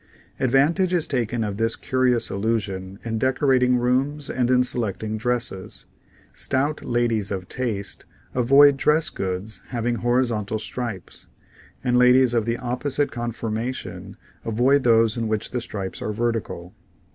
Advantage is taken of this curious illusion in dec orating rooms and in selecting dresses. Stout ladies of taste avoid dress goods having horizontal stripes, and Fig 25. Fig. 26. Fig. 27. ladies of the opposite conformation avoid those in which the stripes are vertical.